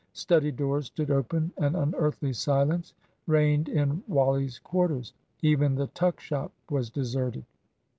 Study doors stood open; an unearthly silence reigned in Wally's quarters. Even the tuck shop was deserted.